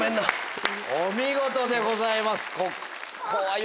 お見事でございます。